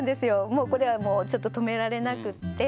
もうこれはもうちょっと止められなくって。